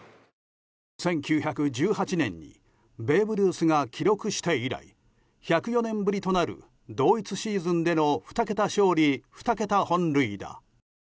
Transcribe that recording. １９１８年にベーブ・ルースが記録して以来１０４年ぶりとなる同一シーズンでの２桁勝利２桁本塁打。